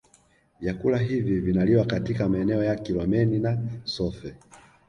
Vyakula hivi vinaliwa katika maeneo ya Kilomeni na Sofe